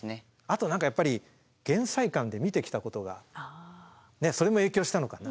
あと何かやっぱり減災館で見てきたことがそれも影響したのかな。